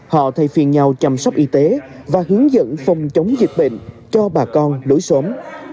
họ thay phiên nhau chăm sóc y tế và hướng dẫn phòng chống dịch bệnh cho bà con lối xóm